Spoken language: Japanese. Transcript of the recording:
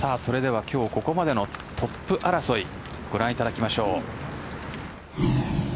今日ここまでのトップ争いご覧いただきましょう。